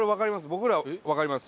僕らはわかります。